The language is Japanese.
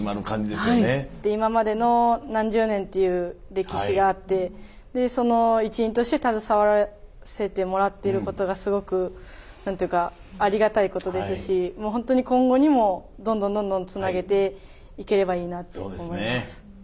今までの何十年っていう歴史があってその一員として携わらせてもらってることがすごくありがたいことですしほんとに今後にもどんどんどんどんつなげていければいいなって思います。